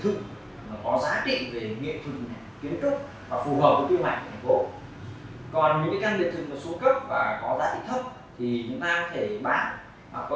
có nghĩa là những căn biệt thự có giá trị về nghiệp thự kiến trúc và phù hợp với tiêu hoạch của thành phố